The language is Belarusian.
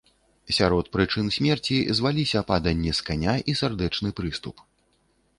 Сярод прычын смерці зваліся паданне з каня і сардэчны прыступ.